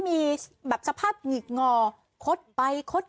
ปลูกมะพร้าน้ำหอมไว้๑๐ต้น